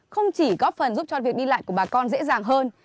không chỉ góp phần giúp cho việc đi lại của bà con dễ dàng hơn